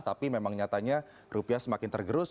tapi memang nyatanya rupiah semakin tergerus